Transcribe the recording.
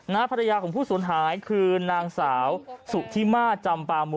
ภรรยาของผู้สูญหายคือนางสาวสุธิมาจำปาโม